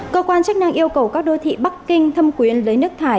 cơ quan chức năng yêu cầu các đô thị bắc kinh thâm quyến lấy nước thải